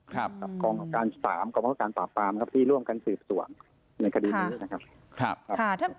กองเกาะการสามกองเกาะการปราปรามครับที่ร่วมกันสืบสวนในคดีนี้นะครับ